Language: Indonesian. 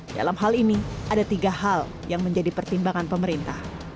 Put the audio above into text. dalam hal ini ada tiga hal yang menjadi pertimbangan pemerintah